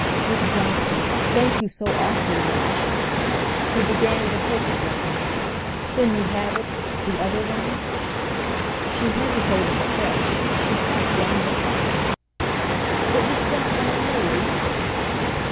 "Exactly—thank you so awfully much!" He began to hope again. "Then you have it—the other one?" She hesitated afresh; she quite dangled him. "It was brought by a lady?"